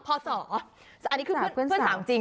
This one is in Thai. พ่อสออันนี้คือเพื่อนสาวจริง